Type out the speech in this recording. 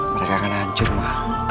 mereka akan hancur ma